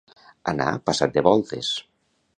Anar passat de voltes.